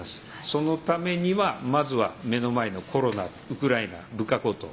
そのためにはまずは目の前のコロナウクライナ物価高騰